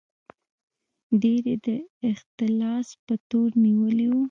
ډېر یې د اختلاس په تور نیولي وو.